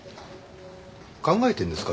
考えてるんですか？